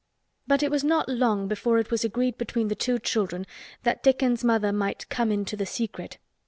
But it was not long before it was agreed between the two children that Dickon's mother might "come into the secret."